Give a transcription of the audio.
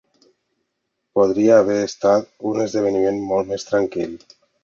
Podria haver estat un esdeveniment molt més tranquil.